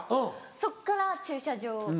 そっから駐車場。